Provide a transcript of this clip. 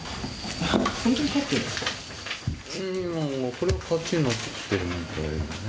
うんこれは勝ちになってるみたいだね。